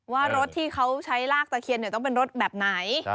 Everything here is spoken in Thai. ว่ารถที่เขาใช้ลากตะเคียนต้องเป็นรถแบบไหน